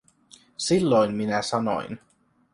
Silloin minä sanoin.